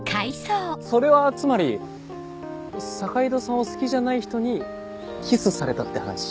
それはつまり坂井戸さんを好きじゃない人にキスされたって話？